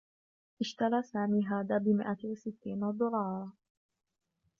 اشترى سامي هذا بمئة و ستّين دولارا.